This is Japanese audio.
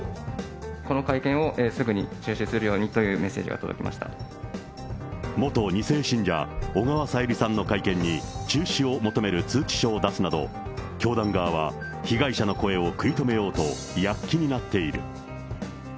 この会見をすぐに中止するようにというメッセージが届きまし元２世信者、小川さゆりさんの会見に、中止を求める通知書を出すなど、教団側は、被害者の声を食い止めようと躍起になっている。